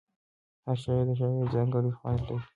هر شعر د شاعر ځانګړی خوند لري.